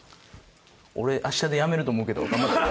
俺明日で辞めると思うけど頑張ってね。